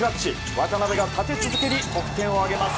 渡邊が立て続けに得点を挙げます。